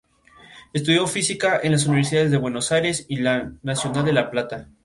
Estudió física en las Universidades de Buenos Aires y Nacional de La Plata.